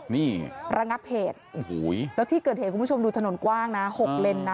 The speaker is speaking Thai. นี่ระงับเหตุโอ้โหแล้วที่เกิดเหตุคุณผู้ชมดูถนนกว้างนะ๖เลนนะ